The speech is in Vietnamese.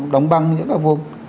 đóng băng những cái vùng